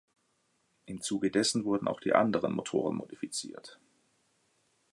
Im Zuge dessen wurden auch die anderen Motoren modifiziert.